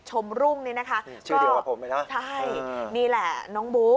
สวัสดีครับสวัสดีครับ